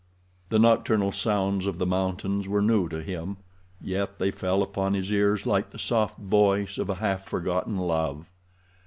The nocturnal sounds of the mountains were new to him, yet they fell upon his ears like the soft voice of a half forgotten love.